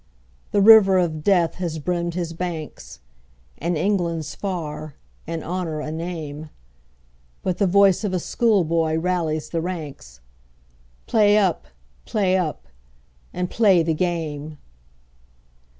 The river of death has brimmed his banks, And England's far, and Honour a name, But the voice of schoolboy rallies the ranks, "Play up! play up! and play the game!"